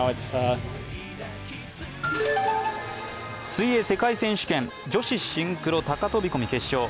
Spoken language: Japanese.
水泳世界選手権女子シンクロ高飛び込み決勝。